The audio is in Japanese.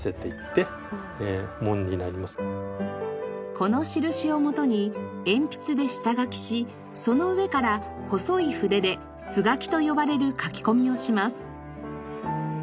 この印を元に鉛筆で下書きしその上から細い筆で素描きと呼ばれる描き込みをします。